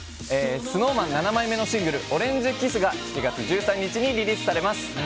ＳｎｏｗＭａｎ７枚目のシングル「オレンジｋｉｓｓ」が７月１３日にリリースされます。